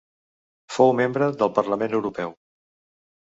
Fou membre del Parlament Europeu.